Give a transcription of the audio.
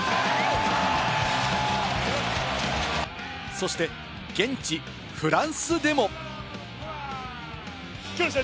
そして現地フランスでも。